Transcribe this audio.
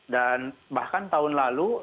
dan bahkan tahun lalu